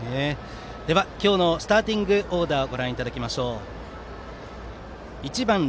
では、今日のスターティングオーダーです。